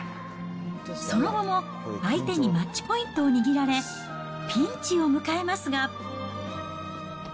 その後も相手にマッチポイントを握られ、ピンチを迎えますが。